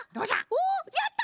おやった！